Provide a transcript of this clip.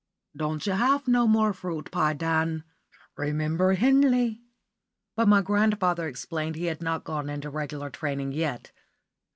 Don't you have no more fruit pie, Dan. Remember Henley." But my grandfather explained he had not gone into regular training yet.